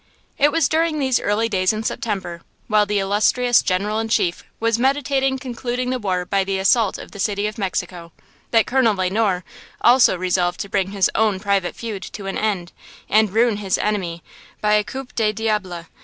It was during these early days in September, while the illustrious General in Chief was meditating concluding the war by the assault of the city of Mexico, that Colonel Le Noir also resolved to bring his own private feud to an end, and ruin his enemy by a coup de diable.